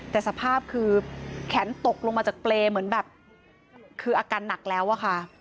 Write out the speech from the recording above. แต่สภาพคือแขนตกลงมาจากเปรย์เหมือนแบบคืออาการหนักแล้วอะค่ะ